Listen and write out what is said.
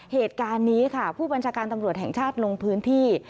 เหตุการณ์นี้ค่ะผู้บัญชาการตำรวจแห่งชาติลงพื้นที่